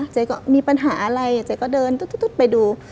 เจ๊ก็มีปัญหาอะไรเจ๊ก็เดินตุ๊ดไปดู